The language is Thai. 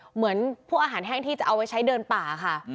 เหมือนพวกอาหารแห้งที่จะเอาไว้ใช้เดินป่าค่ะ